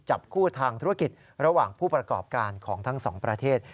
จับคู่ทางธุรกิจระหว่างผู้ประกอบการของทั้งสองประเทศ